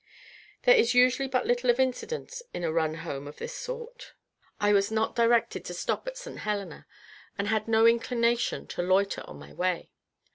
There is usually but little of incident in a run home of this sort. I was not directed to stop at St Helena, and had no inclination to loiter on my way.